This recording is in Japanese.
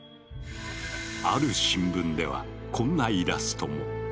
ある新聞ではこんなイラストも。